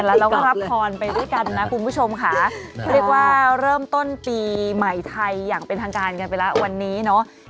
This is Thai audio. แล้วเราก็รับพรไปด้วยกันนะคุณผู้ชมค่ะเรียกว่าเริ่มต้นปีใหม่ไทยอย่างเป็นทางการกันไปแล้ววันนี้เนาะ